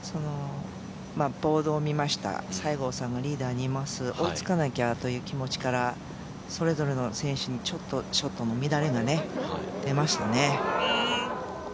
ボードを見ました、西郷さんがリーダーにいます、追いつかなきゃという気持ちからそれぞれの選手にちょっと乱れが出ましたね。